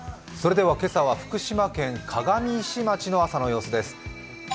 今朝は福島県鏡石町の朝の様子です。